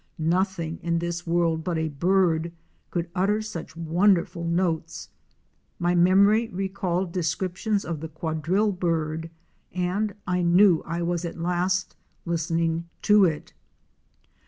Nothing in this world but a bird could utter such wonderful notes. My memory recalled descriptions of the Quadrille bird!" and I knew I was at last listening to it.